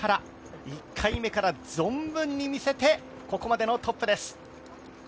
１回目から存分に見せてここまでのトップです。